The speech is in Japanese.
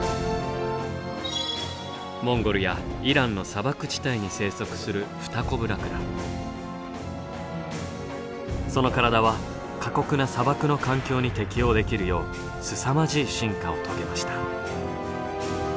モンゴルやイランの砂漠地帯に生息するその体は過酷な砂漠の環境に適応できるようすさまじい進化を遂げました。